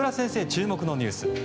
注目のニュース。